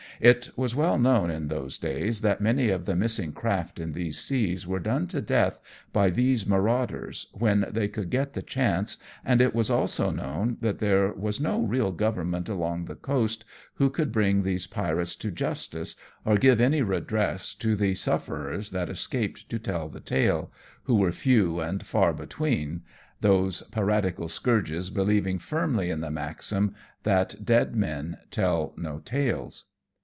It was well known in those days, that many of the missing craft in these seas were done to death by these marauders, when they could get the chance, and it was also known that there was no real government along the coast who could bring these pirates to justice, or give any redress to the sufferers that escaped to tell the tale, who were few and far between, those piratical scourges believing firmly in the maxim that " dead men tell no tales."